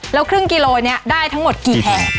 แล้วครึ่งกิโลนี้ได้ทั้งหมดกี่แผง